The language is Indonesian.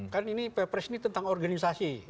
kan ini perpres ini tentang organisasi